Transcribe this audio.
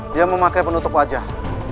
dia memakai penutup wajah